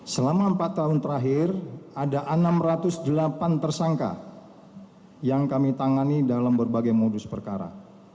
selama empat tahun terakhir ada enam ratus delapan tersangka yang kami tangani dalam berbagai modus perkara